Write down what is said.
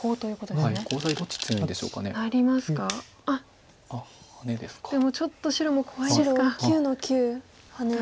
でもちょっと白も怖いですか。